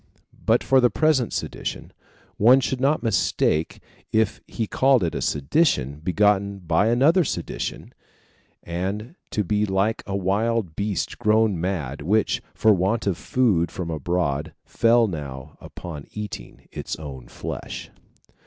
But for the present sedition, one should not mistake if he called it a sedition begotten by another sedition, and to be like a wild beast grown mad, which, for want of food from abroad, fell now upon eating its own flesh.